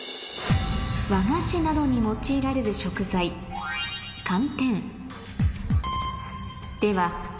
和菓子などに用いられる食材いや。